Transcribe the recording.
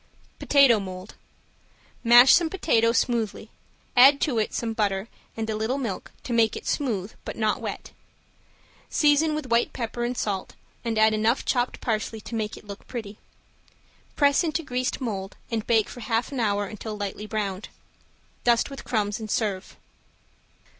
~POTATO MOLD~ Mash some potato smoothly, add to it some butter and a little milk to make it smooth but not wet. Season with white pepper and salt and add enough chopped parsley to make it look pretty. Press into greased mold and bake for half an hour until lightly browned. Dust with crumbs and serve.